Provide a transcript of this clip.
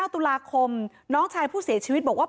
ตุลาคมน้องชายผู้เสียชีวิตบอกว่า